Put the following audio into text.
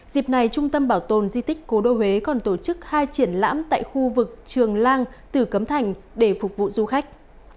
dịp này trung tâm bảo tồn di tích cố đô huế còn tổ chức hai triển lãm tại khu vực trường lang tử cấm thành để phục vụ du khách